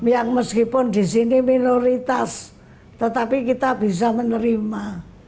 yang meskipun di sini minoritas tetapi kita bisa menerima